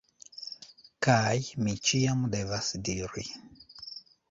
Kaj mi ĉiam devas diri